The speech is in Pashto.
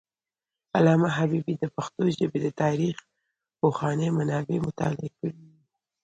علامه حبیبي د پښتو ژبې د تاریخ پخواني منابع مطالعه کړي دي.